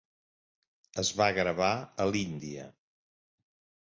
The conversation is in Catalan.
Es va gravar a l'Índia.